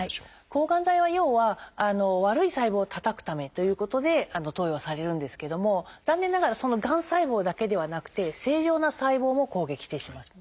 抗がん剤は要は悪い細胞をたたくためということで投与されるんですけども残念ながらがん細胞だけではなくて正常な細胞も攻撃してしまいます。